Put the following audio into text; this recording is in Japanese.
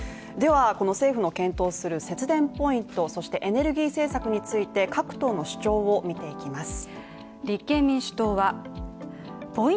政府の検討する節電ポイント、そしてエネルギー政策について、各党の主張を見ていきます。